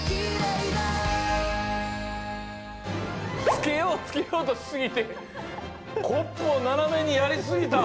つけようつけようとしすぎてコップをななめにやりすぎた。